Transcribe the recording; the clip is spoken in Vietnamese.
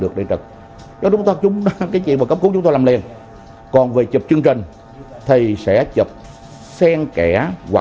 chị phí nào